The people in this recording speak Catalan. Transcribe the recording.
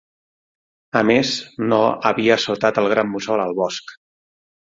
A més, no havia assotat el gran mussol al bosc.